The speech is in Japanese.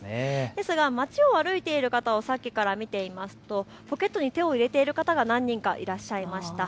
ですが街を歩いてる方をさっきから見ていますとポケットに手を入れている方が何人かいらっしゃいました。